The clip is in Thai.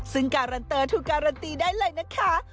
ซึ่งการันเตอร์ถูกการันตีได้เลยนะคะ